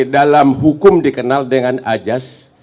dalam hukum dikenal dengan ajas